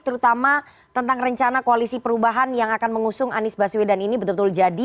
terutama tentang rencana koalisi perubahan yang akan mengusung anies baswedan ini betul betul jadi